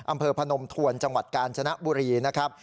มพถวรรษ์จกาลจน้าบุรีนะครับ